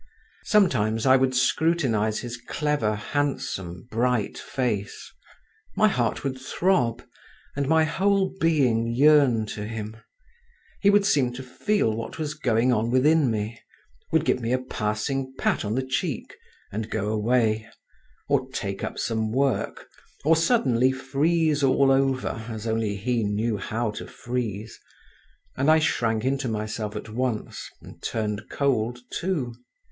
Sometimes I would scrutinise his clever handsome bright face … my heart would throb, and my whole being yearn to him … he would seem to feel what was going on within me, would give me a passing pat on the cheek, and go away, or take up some work, or suddenly freeze all over as only he knew how to freeze, and I shrank into myself at once, and turned cold too.